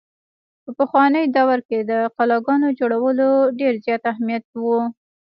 په پخواني دور کښې د قلاګانو جوړولو ډېر زيات اهميت وو۔